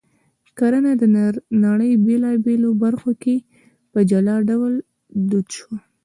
کرنه د نړۍ په بېلابېلو برخو کې په جلا ډول دود شوه